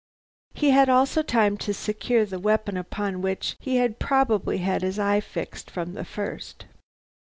He had also time to secure the weapon upon which he had probably had his eye fixed from the first.